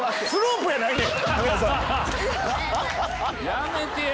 やめてや！